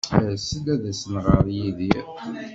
As-d ad as-nɣer i Yidir.